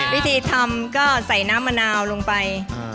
วิธีทำก็ใส่น้ำมะนาวลงไป